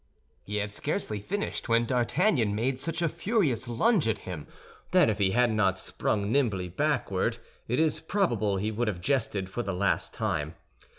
He had scarcely finished, when D'Artagnan made such a furious lunge at him that if he had not sprung nimbly backward, it is probable he would have jested for the last time.